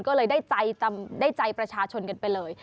ก็เลยได้ใจประชาชนกันไปเลย